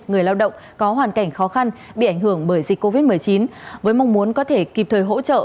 người lao động có hoàn cảnh khó khăn bị ảnh hưởng bởi dịch covid một mươi chín với mong muốn có thể kịp thời hỗ trợ